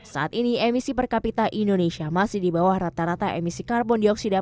saat ini emisi per kapita indonesia masih di bawah rata rata emisi karbon dioksida